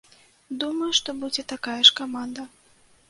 Думаю, што будзе такая ж каманда.